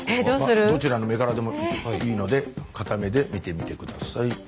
どちらの目からでもいいので片目で見てみて下さい。